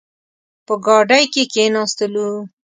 په ګاډۍ کې کښېناستلو.